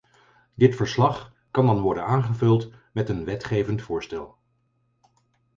Dit verslag kan dan worden aangevuld met een wetgevend voorstel.